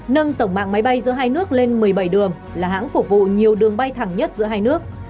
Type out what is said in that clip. nâng tổng mạng máy bay giữa hai nước lên một mươi bảy đường là hãng phục vụ nhiều đường bay thẳng nhất giữa hai nước